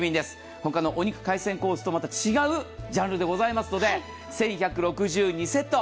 他のお肉、海鮮コースとまた違うジャンルでございますので１１６２セット。